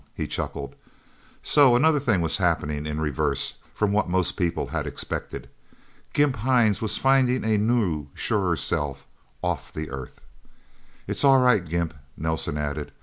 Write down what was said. he chuckled. So another thing was happening in reverse from what most people had expected. Gimp Hines was finding a new, surer self, off the Earth. "It's all right, Gimp," Nelsen added.